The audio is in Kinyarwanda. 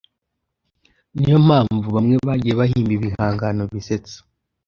Ni yo mpamvu bamwe bagiye bahimba ibihangano bisetsa,